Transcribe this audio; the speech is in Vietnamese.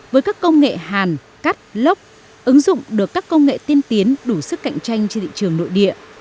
với các công nghệ hàn cắt lốc ứng dụng được các công nghệ tiên tiến đủ sức cạnh tranh trên thị trường nội địa